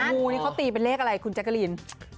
งูนี่เขาตีเป็นเลขอะไรคุณแจ๊กกะลีน